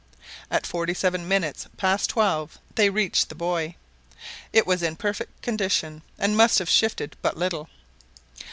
At forty seven minutes past twelve they reached the buoy; it was in perfect condition, and must have shifted but little.